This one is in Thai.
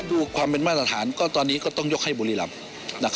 ถ้าดูความเป็นมาตรฐานตอนนี้ก็ต้องยกให้บุริรัมป์